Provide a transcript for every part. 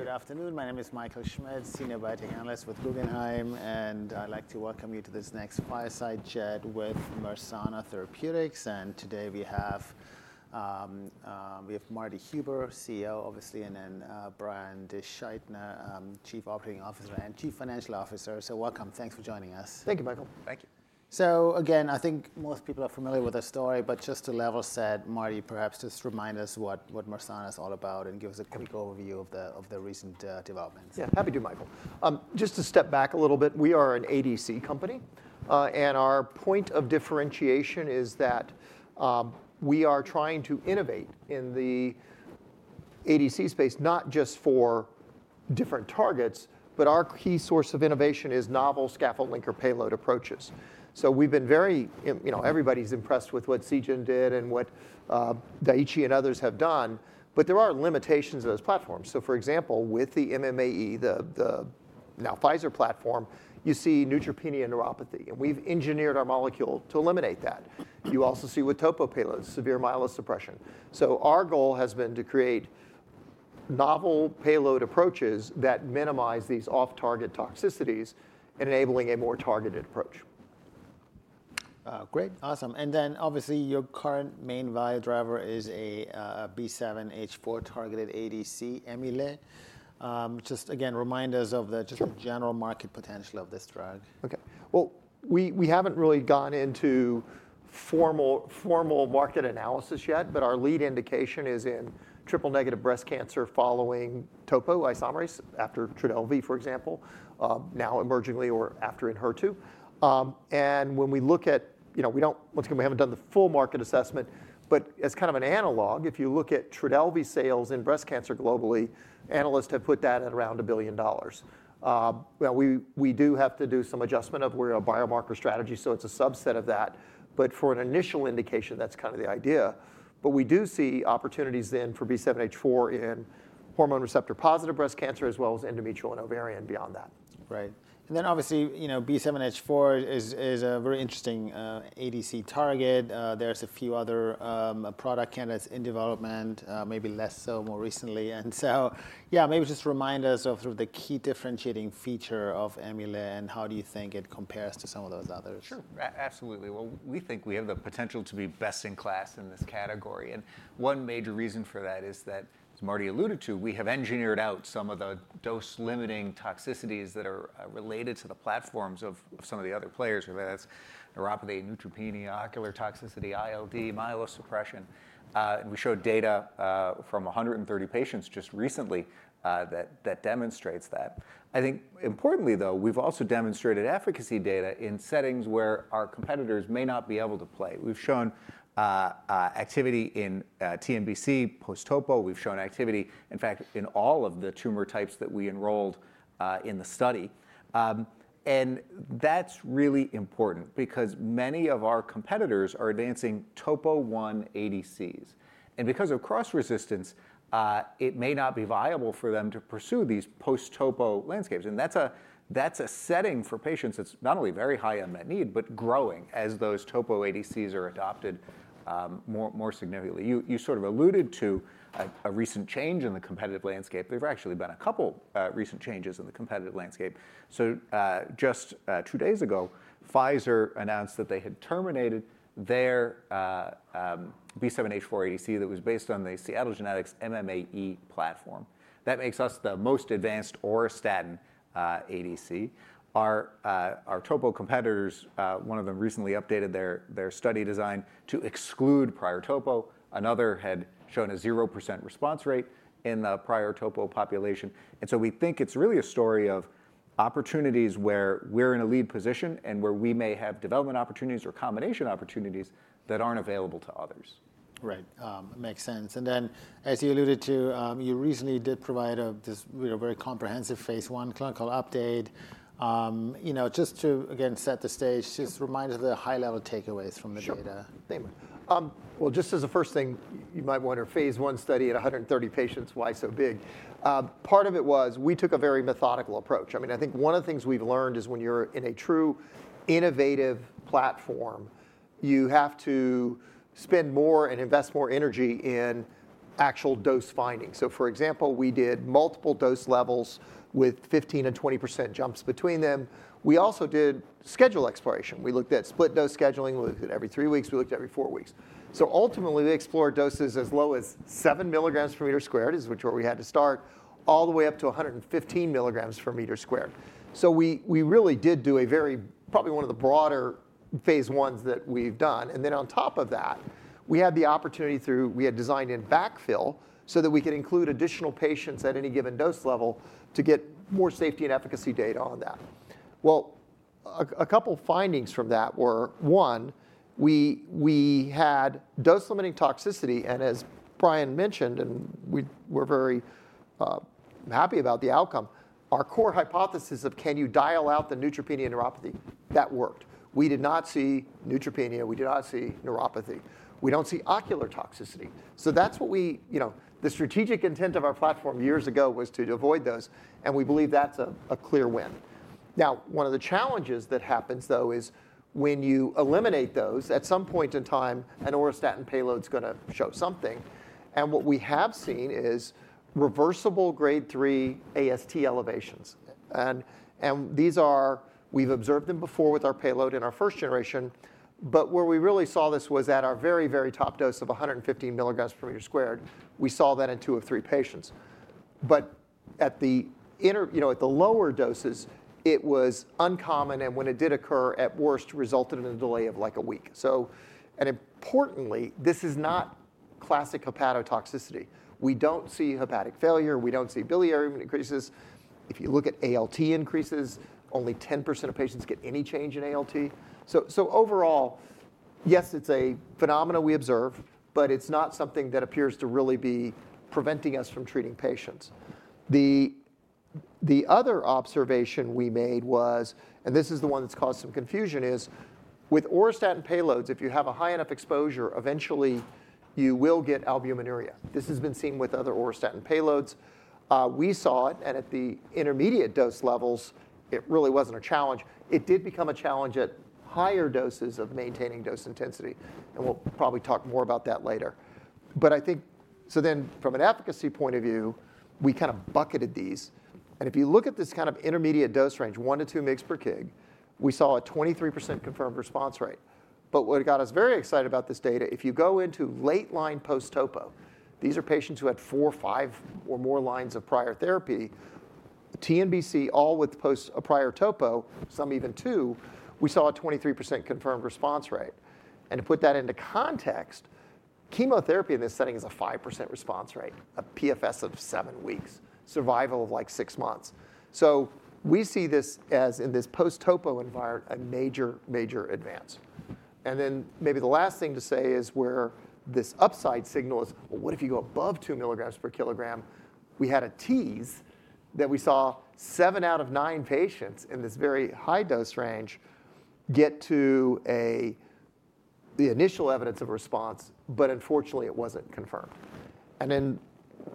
Good afternoon. My name is Michael Schmidt, Senior Biotech Analyst with Guggenheim, and I'd like to welcome you to this next fireside chat with Mersana Therapeutics. Today we have Marty Huber, CEO, obviously, and then Brian DeSchuytner, Chief Operating Officer and Chief Financial Officer. Welcome. Thanks for joining us. Thank you, Michael. Thank you. I think most people are familiar with the story, but just to level set, Marty, perhaps just remind us what Mersana is all about and give us a quick overview of the recent developments. Yeah, happy to, Michael. Just to step back a little bit, we are an ADC company, and our point of differentiation is that we are trying to innovate in the ADC space, not just for different targets, but our key source of innovation is novel scaffold linker payload approaches. We have been very—everybody is impressed with what Seagen did and what Daiichi and others have done, but there are limitations of those platforms. For example, with the MMAE, the now Pfizer platform, you see neutropenia and neuropathy, and we have engineered our molecule to eliminate that. You also see with topo payloads, severe myelosuppression. Our goal has been to create novel payload approaches that minimize these off-target toxicities, enabling a more targeted approach. Great. Awesome. Obviously your current main value driver is a B7-H4 targeted ADC Emi-Le. Just again, remind us of the general market potential of this drug. Okay. We haven't really gone into formal market analysis yet, but our lead indication is in triple negative breast cancer following topoisomerase inhibitors after Trodelvy, for example, now emergingly or after Enhertu. When we look at—we don't—once again, we haven't done the full market assessment, but as kind of an analog, if you look at Trodelvy sales in breast cancer globally, analysts have put that at around $1 billion. We do have to do some adjustment of where a biomarker strategy, so it's a subset of that, but for an initial indication, that's kind of the idea. We do see opportunities then for B7-H4 in hormone receptor positive breast cancer, as well as endometrial and ovarian beyond that. Right. Obviously B7-H4 is a very interesting ADC target. There are a few other product candidates in development, maybe less so more recently. Maybe just remind us of the key differentiating feature of Emi-Le and how you think it compares to some of those others. Sure. Absolutely. We think we have the potential to be best in class in this category. One major reason for that is that, as Marty alluded to, we have engineered out some of the dose-limiting toxicities that are related to the platforms of some of the other players, whether that's neuropathy, neutropenia, ocular toxicity, ILD, myelosuppression. We showed data from 130 patients just recently that demonstrates that. I think importantly though, we've also demonstrated efficacy data in settings where our competitors may not be able to play. We've shown activity in TNBC post topo. We've shown activity, in fact, in all of the tumor types that we enrolled in the study. That's really important because many of our competitors are advancing Topo I ADCs. Because of cross-resistance, it may not be viable for them to pursue these post topo landscapes. That's a setting for patients that's not only very high unmet need, but growing as those topo ADCs are adopted more significantly. You sort of alluded to a recent change in the competitive landscape. There have actually been a couple recent changes in the competitive landscape. Just two days ago, Pfizer announced that they had terminated their B7-H4 ADC that was based on the Seagen MMAE platform. That makes us the most advanced auristatin ADC. Our topo competitors, one of them recently updated their study design to exclude prior topo. Another had shown a 0% response rate in the prior topo population. We think it's really a story of opportunities where we're in a lead position and where we may have development opportunities or combination opportunities that aren't available to others. Right. Makes sense. As you alluded to, you recently did provide this very comprehensive phase I clinical update. Just to again set the stage, just remind us of the high-level takeaways from the data. Sure. Just as a first thing, you might wonder, phase I study at 130 patients, why so big? Part of it was we took a very methodical approach. I mean, I think one of the things we've learned is when you're in a true innovative platform, you have to spend more and invest more energy in actual dose findings. For example, we did multiple dose levels with 15% and 20% jumps between them. We also did schedule exploration. We looked at split dose scheduling. We looked at every three weeks. We looked at every four weeks. Ultimately, we explored doses as low as 7 mg per meter squared, which is where we had to start, all the way up to 115 mg per meter squared. We really did do a very, probably one of the broader phase I studies that we've done. Then on top of that, we had the opportunity through, we had designed in backfill so that we could include additional patients at any given dose level to get more safety and efficacy data on that. A couple findings from that were, one, we had dose-limiting toxicity. As Brian mentioned, and we were very happy about the outcome, our core hypothesis of can you dial out the neutropenia and neuropathy, that worked. We did not see neutropenia. We did not see neuropathy. We do not see ocular toxicity. That is what we, the strategic intent of our platform years ago was to avoid those. We believe that is a clear win. Now, one of the challenges that happens though is when you eliminate those, at some point in time, an auristatin payload is going to show something. What we have seen is reversible grade three AST elevations. These are, we've observed them before with our payload in our first generation, but where we really saw this was at our very, very top dose of 115 mg per meter squared. We saw that in two of three patients. At the lower doses, it was uncommon. When it did occur, at worst, resulted in a delay of like a week. Importantly, this is not classic hepatotoxicity. We don't see hepatic failure. We don't see biliary increases. If you look at ALT increases, only 10% of patients get any change in ALT. Overall, yes, it's a phenomenon we observe, but it's not something that appears to really be preventing us from treating patients. The other observation we made was, and this is the one that's caused some confusion, is with auristatin payloads, if you have a high enough exposure, eventually you will get albuminuria. This has been seen with other auristatin payloads. We saw it, and at the intermediate dose levels, it really wasn't a challenge. It did become a challenge at higher doses of maintaining dose intensity. We'll probably talk more about that later. I think, from an efficacy point of view, we kind of bucketed these. If you look at this kind of intermediate dose range, 1-2 mg per kg, we saw a 23% confirmed response rate. What got us very excited about this data, if you go into late line post-topo, these are patients who had four, five, or more lines of prior therapy, TNBC, all with a prior topo, some even two, we saw a 23% confirmed response rate. To put that into context, chemotherapy in this setting is a 5% response rate, a PFS of seven weeks, survival of like six months. We see this as in this post topo environment, a major, major advance. Maybe the last thing to say is where this upside signal is, what if you go above 2 mg per kg? We had a tease that we saw seven out of nine patients in this very high dose range get to the initial evidence of response, but unfortunately it was not confirmed.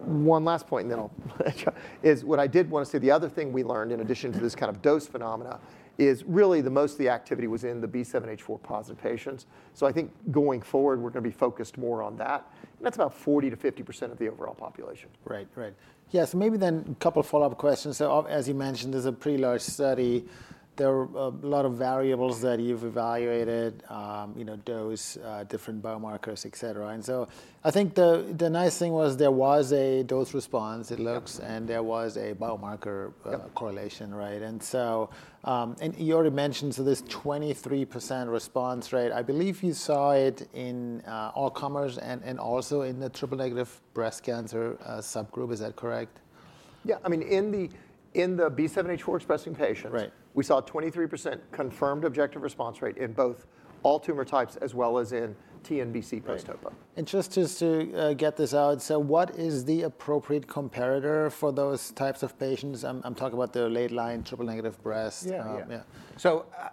One last point, and then I'll let you go, is what I did want to say, the other thing we learned in addition to this kind of dose phenomena is really most of the activity was in the B7-H4 positive patients. I think going forward, we're going to be focused more on that. That's about 40-50% of the overall population. Right. Right. Yeah. Maybe then a couple of follow-up questions. As you mentioned, there is a pretty large study. There are a lot of variables that you have evaluated, dose, different biomarkers, et cetera. I think the nice thing was there was a dose response, it looks, and there was a biomarker correlation, right? You already mentioned, there is 23% response rate. I believe you saw it in all comers and also in the triple negative breast cancer subgroup. Is that correct? Yeah. I mean, in the B7-H4 expressing patients, we saw 23% confirmed objective response rate in both all tumor types as well as in TNBC post topo. Just to get this out, what is the appropriate comparator for those types of patients? I'm talking about the late line triple negative breast. Yeah.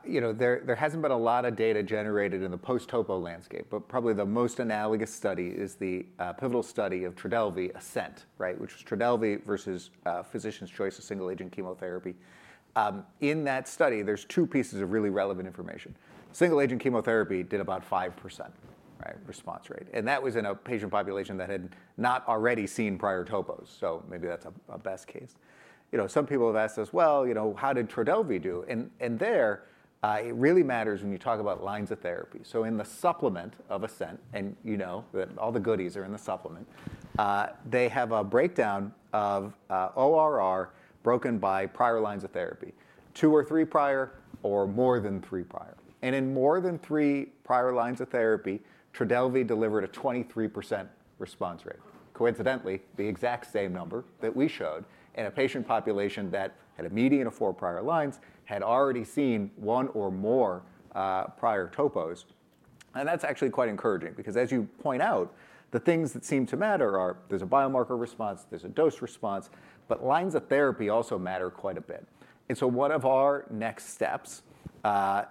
There has not been a lot of data generated in the post-topo landscape, but probably the most analogous study is the pivotal study of Trodelvy Ascent, right? Which was Trodelvy versus physician's choice of single agent chemotherapy. In that study, there are two pieces of really relevant information. Single agent chemotherapy did about 5% response rate. That was in a patient population that had not already seen prior topos, so maybe that is a best case. Some people have asked us, you know, how did Trodelvy do? There it really matters when you talk about lines of therapy. In the supplement of Ascent, and you know that all the goodies are in the supplement, they have a breakdown of ORR broken by prior lines of therapy, two or three prior or more than three prior. In more than three prior lines of therapy, Trodelvy delivered a 23% response rate. Coincidentally, the exact same number that we showed in a patient population that had a median of four prior lines, had already seen one or more prior topos. That is actually quite encouraging because as you point out, the things that seem to matter are, there is a biomarker response, there is a dose response, but lines of therapy also matter quite a bit. One of our next steps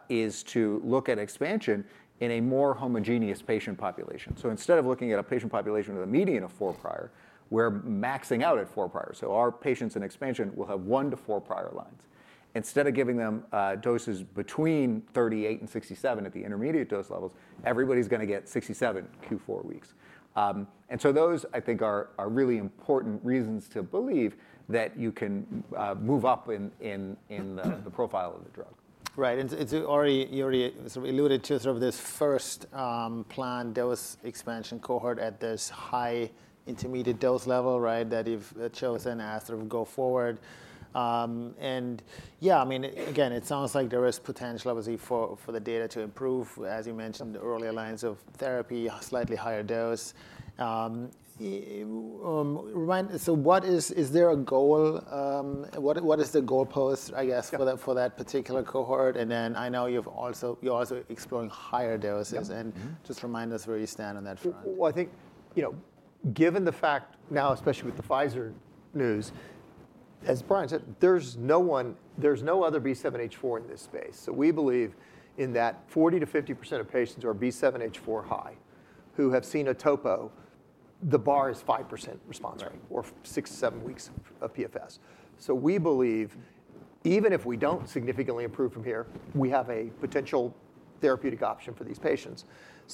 is to look at expansion in a more homogeneous patient population. Instead of looking at a patient population with a median of four prior, we are maxing out at four prior. Our patients in expansion will have one to four prior lines. Instead of giving them doses between 38 and 67 at the intermediate dose levels, everybody is going to get 67 Q4 weeks. Those I think are really important reasons to believe that you can move up in the profile of the drug. Right. You already sort of alluded to this first planned dose expansion cohort at this high intermediate dose level that you've chosen as sort of go forward. I mean, again, it sounds like there is potential obviously for the data to improve, as you mentioned, the earlier lines of therapy, slightly higher dose. What is, is there a goal? What is the goalpost, I guess, for that particular cohort? I know you're also exploring higher doses. Just remind us where you stand on that front. I think given the fact now, especially with the Pfizer news, as Brian said, there's no other B7-H4 in this space. We believe that 40-50% of patients are B7-H4 high who have seen a topo, the bar is 5% response rate or six to seven weeks of PFS. We believe even if we don't significantly improve from here, we have a potential therapeutic option for these patients.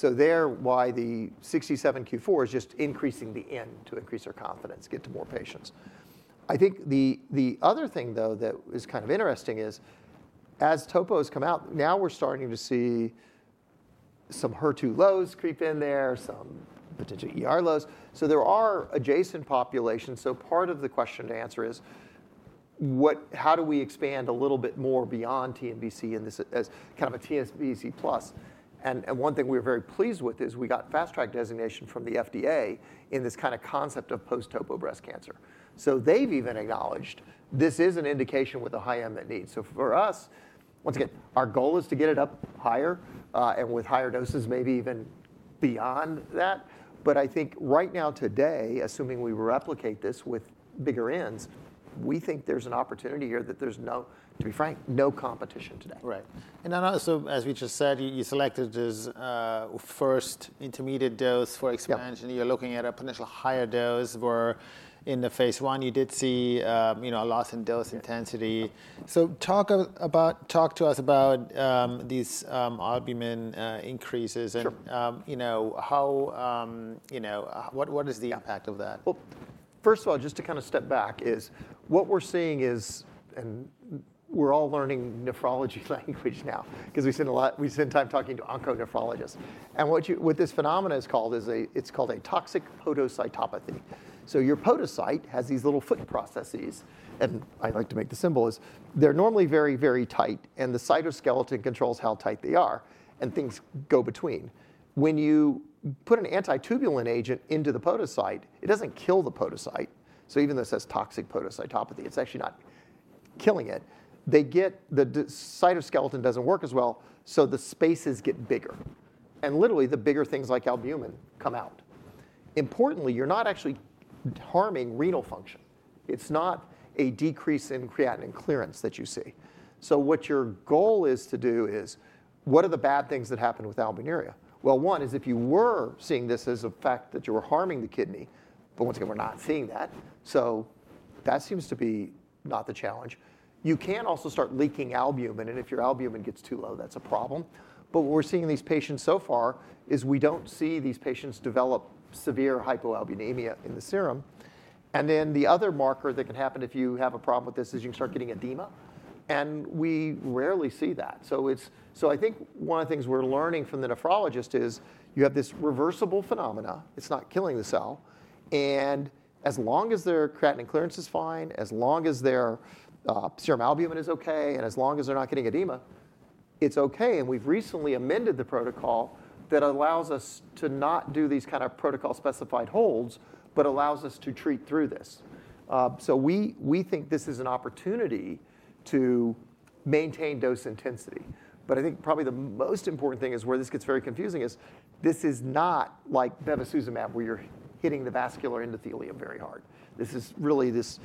The reason why the 67 Q4 is just increasing the n to increase their confidence, get to more patients. I think the other thing that is kind of interesting is as topos come out, now we're starting to see some HER2 lows creep in there, some potential lows. There are adjacent populations. Part of the question to answer is, how do we expand a little bit more beyond TNBC in this as kind of a TNBC plus? One thing we were very pleased with is we got fast track designation from the FDA in this kind of concept of post topo breast cancer. They have even acknowledged this is an indication with a high unmet need. For us, once again, our goal is to get it up higher and with higher doses, maybe even beyond that. I think right now today, assuming we replicate this with bigger Ns, we think there is an opportunity here that there is no, to be frank, no competition today. Right. As we just said, you selected this first intermediate dose for expansion. You're looking at a potential higher dose where in the phase I, you did see a loss in dose intensity. Talk to us about these albumin increases and what is the impact of that? First of all, just to kind of step back is what we're seeing is, and we're all learning nephrology language now because we spend time talking to onco nephrologists. What this phenomenon is called, it's called a toxic podocytopathy. Your podocyte has these little foot processes. I like to make the symbol is they're normally very, very tight. The cytoskeleton controls how tight they are and things go between. When you put an anti-tubulin agent into the podocyte, it doesn't kill the podocyte. Even though it says toxic podocytopathy, it's actually not killing it. The cytoskeleton doesn't work as well. The spaces get bigger. Literally the bigger things like albumin come out. Importantly, you're not actually harming renal function. It's not a decrease in creatinine clearance that you see. What your goal is to do is, what are the bad things that happen with albuminuria? One is if you were seeing this as a fact that you were harming the kidney, but once again, we're not seeing that. That seems to be not the challenge. You can also start leaking albumin. If your albumin gets too low, that's a problem. What we're seeing in these patients so far is we don't see these patients develop severe hypoalbuminemia in the serum. The other marker that can happen if you have a problem with this is you can start getting edema. We rarely see that. I think one of the things we're learning from the nephrologist is you have this reversible phenomenon. It's not killing the cell. As long as their creatinine clearance is fine, as long as their serum albumin is okay, and as long as they're not getting edema, it's okay. We have recently amended the protocol that allows us to not do these kind of protocol specified holds, but allows us to treat through this. We think this is an opportunity to maintain dose intensity. I think probably the most important thing is where this gets very confusing is this is not like bevacizumab where you're hitting the vascular endothelium very hard. This is really this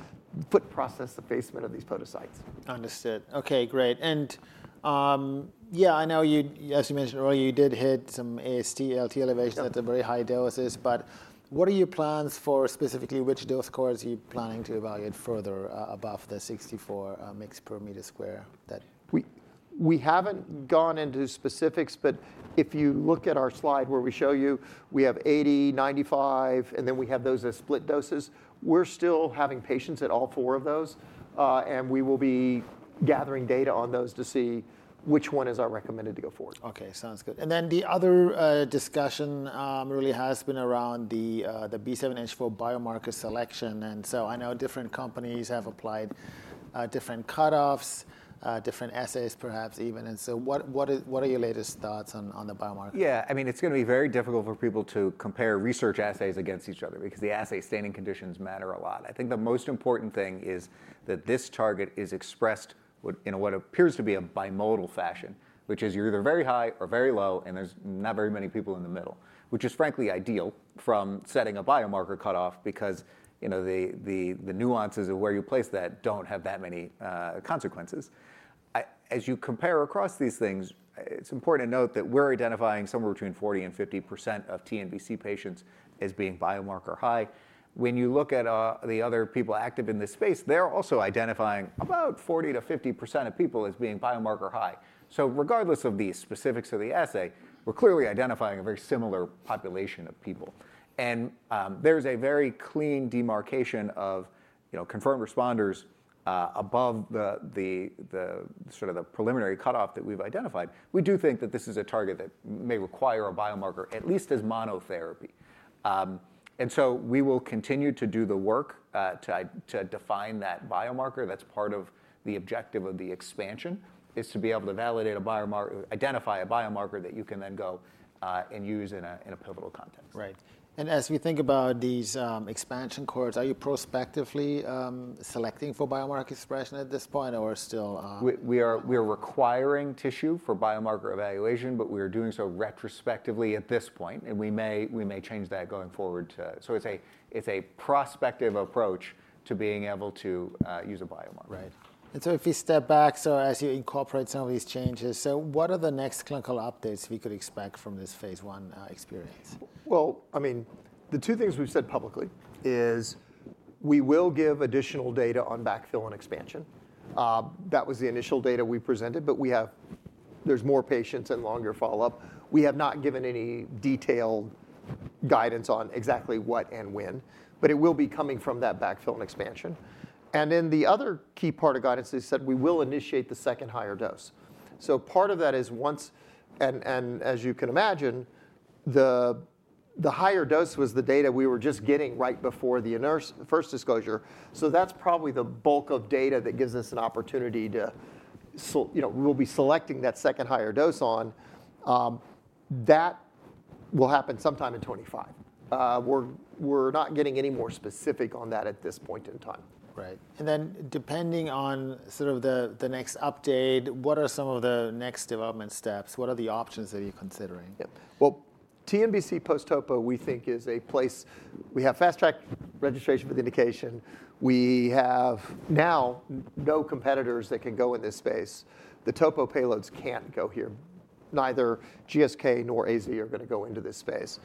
foot process, the basement of these podocytes. Understood. Okay, great. Yeah, I know as you mentioned earlier, you did hit some AST/ALT elevations at the very high doses. What are your plans for specifically which dose cohorts are you planning to evaluate further above the 64 mg per meter square? We haven't gone into specifics, but if you look at our slide where we show you we have 80, 95, and then we have those as split doses, we're still having patients at all four of those. We will be gathering data on those to see which one is our recommended to go forward. Okay, sounds good. The other discussion really has been around the B7-H4 biomarker selection. I know different companies have applied different cutoffs, different assays perhaps even. What are your latest thoughts on the biomarker? Yeah, I mean, it's going to be very difficult for people to compare research essays against each other because the essay standing conditions matter a lot. I think the most important thing is that this target is expressed in what appears to be a bimodal fashion, which is you're either very high or very low, and there's not very many people in the middle, which is frankly ideal from setting a biomarker cutoff because the nuances of where you place that don't have that many consequences. As you compare across these things, it's important to note that we're identifying somewhere between 40-50% of TNBC patients as being biomarker high. When you look at the other people active in this space, they're also identifying about 40-50% of people as being biomarker high. Regardless of the specifics of the assay, we're clearly identifying a very similar population of people. There is a very clean demarcation of confirmed responders above the sort of preliminary cutoff that we've identified. We do think that this is a target that may require a biomarker at least as monotherapy. We will continue to do the work to define that biomarker. That is part of the objective of the expansion, to be able to validate a biomarker, identify a biomarker that you can then go and use in a pivotal context. Right. As we think about these expansion cores, are you prospectively selecting for biomarker expression at this point or still? We are requiring tissue for biomarker evaluation, but we are doing so retrospectively at this point. We may change that going forward. It is a prospective approach to being able to use a biomarker. Right. If we step back, as you incorporate some of these changes, what are the next clinical updates we could expect from this phase one experience? I mean, the two things we've said publicly is we will give additional data on backfill and expansion. That was the initial data we presented, but there's more patients and longer follow-up. We have not given any detailed guidance on exactly what and when, but it will be coming from that backfill and expansion. The other key part of guidance is that we will initiate the second higher dose. Part of that is once, and as you can imagine, the higher dose was the data we were just getting right before the first disclosure. That's probably the bulk of data that gives us an opportunity to, we'll be selecting that second higher dose on. That will happen sometime in 2025. We're not getting any more specific on that at this point in time. Right. Depending on sort of the next update, what are some of the next development steps? What are the options that you're considering? Yep. TNBC post topo we think is a place. We have fast track registration for the indication. We have now no competitors that can go in this space. The topo payloads can't go here. Neither GSK nor AZ are going to go into this space.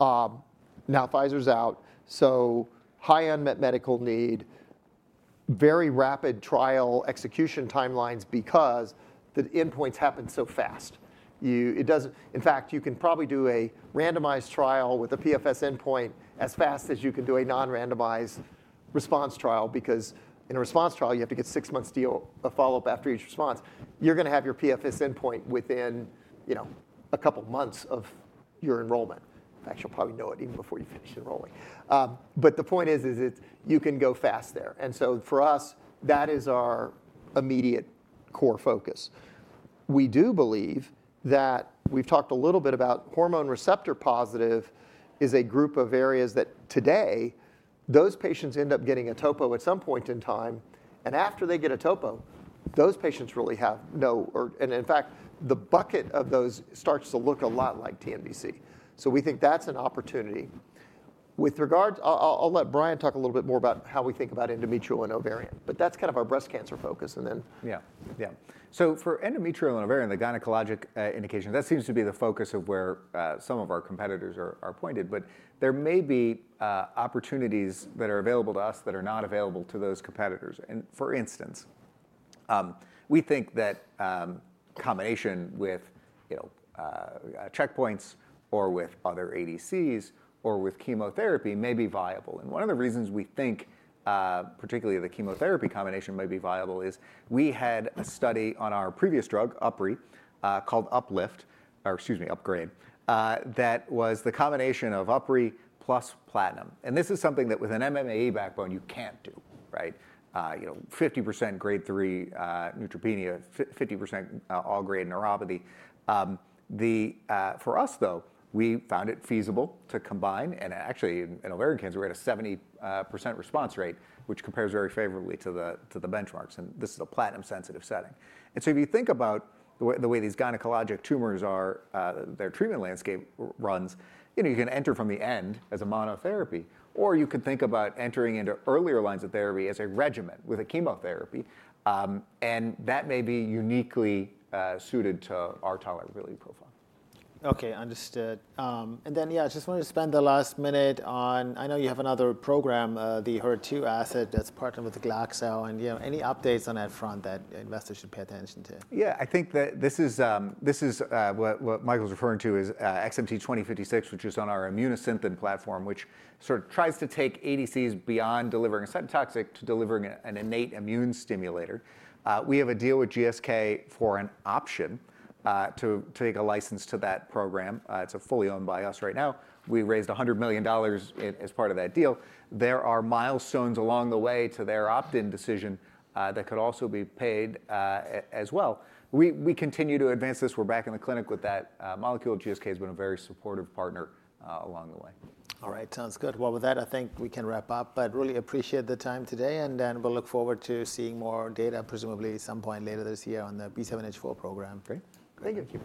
Now Pfizer's out. High unmet medical need, very rapid trial execution timelines because the endpoints happen so fast. In fact, you can probably do a randomized trial with a PFS endpoint as fast as you can do a non-randomized response trial because in a response trial, you have to get six months deal of follow-up after each response. You're going to have your PFS endpoint within a couple of months of your enrollment. In fact, you'll probably know it even before you finish enrolling. The point is, you can go fast there. For us, that is our immediate core focus. We do believe that we've talked a little bit about hormone receptor positive is a group of areas that today those patients end up getting a topo at some point in time. After they get a topo, those patients really have no, and in fact, the bucket of those starts to look a lot like TNBC. We think that's an opportunity. With regards, I'll let Brian talk a little bit more about how we think about endometrial and ovarian, but that's kind of our breast cancer focus. Yeah, yeah. For endometrial and ovarian, the gynecologic indication, that seems to be the focus of where some of our competitors are pointed, but there may be opportunities that are available to us that are not available to those competitors. For instance, we think that combination with checkpoints or with other ADCs or with chemotherapy may be viable. One of the reasons we think particularly the chemotherapy combination may be viable is we had a study on our previous drug, UpRi, called Uplift, or excuse me, Upgrade, that was the combination of UpRi plus platinum. This is something that with an MMAE backbone, you can't do, right? 50% grade 3 neutropenia, 50% all grade neuropathy. For us though, we found it feasible to combine. Actually in ovarian cancer, we had a 70% response rate, which compares very favorably to the benchmarks. This is a platinum sensitive setting. If you think about the way these gynecologic tumors are, their treatment landscape runs, you can enter from the end as a monotherapy, or you can think about entering into earlier lines of therapy as a regimen with a chemotherapy. That may be uniquely suited to our tolerability profile. Okay. Understood. I just wanted to spend the last minute on, I know you have another program, the HER2 asset that's partnered with Glaxo. Any updates on that front that investors should pay attention to? Yeah, I think that this is what Michael's referring to is XMT-2056, which is on our Immunosynthen platform, which sort of tries to take ADCs beyond delivering a cytotoxic to delivering an innate immune stimulator. We have a deal with GSK for an option to take a license to that program. It's fully owned by us right now. We raised $100 million as part of that deal. There are milestones along the way to their opt-in decision that could also be paid as well. We continue to advance this. We're back in the clinic with that molecule. GSK has been a very supportive partner along the way. All right, sounds good. With that, I think we can wrap up, but really appreciate the time today. We'll look forward to seeing more data, presumably at some point later this year on the B7-H4 program. Great. Thank you.